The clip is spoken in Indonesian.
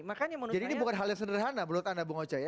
jadi ini bukan hal yang sederhana menurut anda bung oce ya